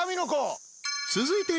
［続いて］